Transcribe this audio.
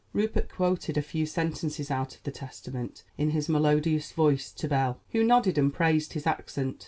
Rupert quoted a few sentences out of the Testament in his melodious voice to Belle, who nodded and praised his accent.